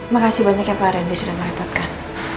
makasih banyak ya pak randy sudah merepotkan